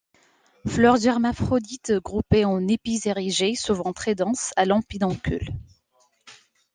Fleurs hermaphrodites groupées en épis érigés souvent très denses, à long pédoncule.